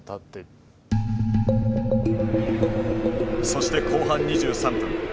そして後半２３分。